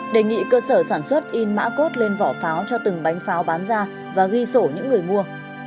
đề nghị cơ sở sản xuất in mã cốt lên vỏ pháo cho từng bánh pháo bán ra và ghi sổ những người mua